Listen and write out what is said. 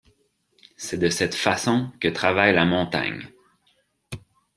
C’est de cette façon que travaille la montagne.